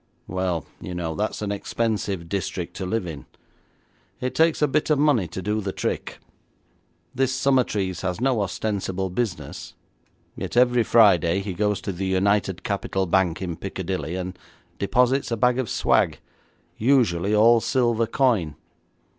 'Well, you know, that's an expensive district to live in; it takes a bit of money to do the trick. This Summertrees has no ostensible business, yet every Friday he goes to the United Capital Bank in Piccadilly, and deposits a bag of swag, usually all silver coin.'